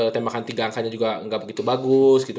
tembakan tiga angkanya juga nggak begitu bagus gitu